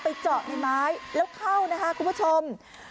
เจาะในไม้แล้วเข้านะคะคุณผู้ชม